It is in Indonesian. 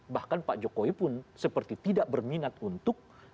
bahkan pak jokowi pun seperti tidak berminat untuk